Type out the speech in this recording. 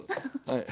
はい。